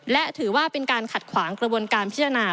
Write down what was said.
และถือว่าเป็นการขัดขวางกระบวนการพิจารณา